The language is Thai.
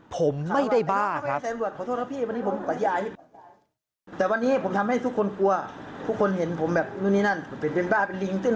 ผมไม่ได้บ้าครับ